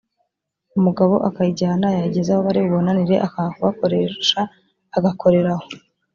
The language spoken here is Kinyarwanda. umugabo akayijyana yayigeza aho bari bubonanire akanga kugakoresha agakorera aho